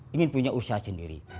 ingin punya usaha sendiri